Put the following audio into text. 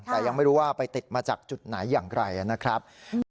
แต่ยังไม่รู้ว่าไปติดมาจากจุดไหนอย่างไรนะครับ